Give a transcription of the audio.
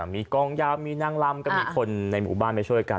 มีกองยามมีนางลำก็มีคนในหมู่บ้านไปช่วยกัน